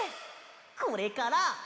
これから。